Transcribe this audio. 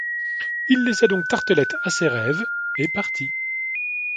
Il laissa donc Tartelett à ses rêves et partit.